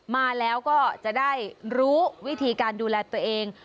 มาแล้วก็จะได้รู้วิธีการดูแลตัวเอง